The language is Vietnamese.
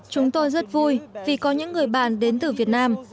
chúng tôi rất vui vì có những người bạn đến từ việt nam